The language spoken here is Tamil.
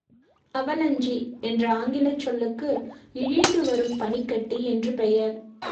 அவலஞ்சி என்ற ஆங்கிலச் சொல்லுக்கு, இழிந்து வரும் பனிக்கட்டி என்று பெயர்.